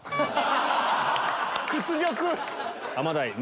屈辱！